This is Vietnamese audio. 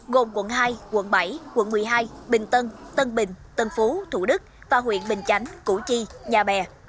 gồm quận hai quận bảy quận một mươi hai bình tân tân bình tân phú thủ đức và huyện bình chánh củ chi nhà bè